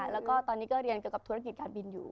แล้วตอนนี้เรียนกับธุรกิจการบินอยู่